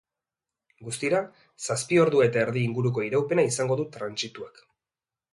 Guztira, zazpi ordu eta erdi inguruko iraupena izango du trantsituak.